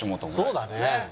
そうだね。